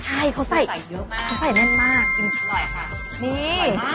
ใช่เขาใส่ให้เล็กมากนี่